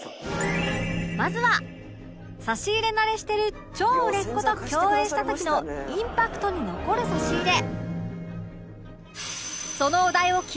まずは差し入れ慣れしてる超売れっ子と共演した時のインパクトに残る差し入れ